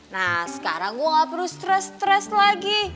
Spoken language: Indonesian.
nah sekarang gue gak perlu stress stress lagi